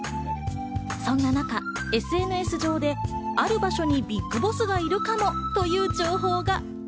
そんな中、ＳＮＳ上である場所にＢＩＧＢＯＳＳがいるかもという情報が。